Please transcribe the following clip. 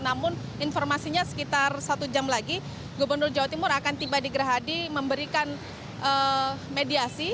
namun informasinya sekitar satu jam lagi gubernur jawa timur akan tiba di gerahadi memberikan mediasi